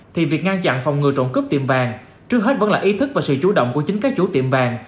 thì việc ngăn chặn phòng ngừa trộm cướp tiệm vàng trước hết vẫn là ý thức và sự chủ động của chính các chủ tiệm vàng